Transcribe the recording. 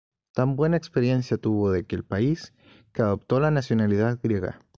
Tan buena experiencia tuvo de aquel país, que adoptó la nacionalidad griega.